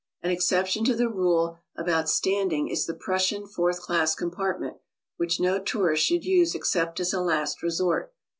An exception to the rule about standing is the Prussian fourth class compartment, which no tourist should use except as a last resort.